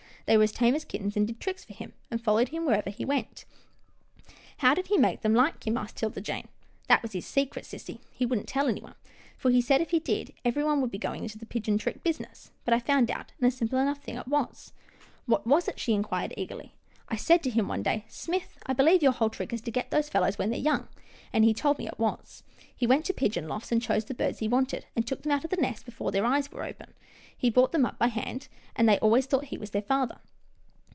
They were as tame as kittens, and did tricks for him, and followed him wherever he went." " How did he make them like him? " asked 'Tilda Jane. " That was his secret, sissy. He wouldn't tell any one, for he said, if he did, everybody would be going into the pigeon trick business, but I found out, and a simple enough thing it was." " What was it ?" she inquired, eagerly. " I said to him one day, ' Smith, I believe your LITTLE HOUSETOP 153 whole trick is to get those fellows when they're young/ and then he told me it was. He went to pigeon lofts, and chose the birds he wanted, and took them out of the nest before their eyes were opened. He brought them up by hand, and they always thought he was their father."